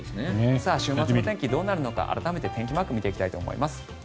週末の天気、どうなるのか改めて天気マークを見ていきます。